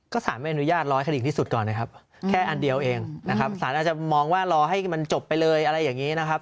สารไม่อนุญาตรอให้คดีที่สุดก่อนนะครับแค่อันเดียวเองนะครับสารอาจจะมองว่ารอให้มันจบไปเลยอะไรอย่างนี้นะครับ